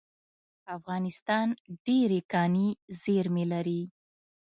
افغانستان ډیرې کاني زیرمې لري